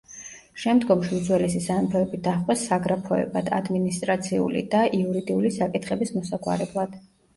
შემდგომში უძველესი სამეფოები დაჰყვეს საგრაფოებად ადმინისტრაციული და იურიდიული საკითხების მოსაგვარებლად.